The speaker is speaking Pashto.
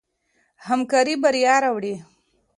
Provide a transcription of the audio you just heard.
همکاري بریا راوړي.